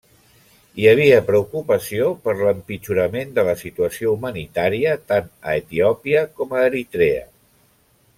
Hi havia preocupació per l'empitjorament de la situació humanitària tant a Etiòpia com a Eritrea.